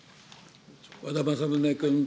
和田政宗君。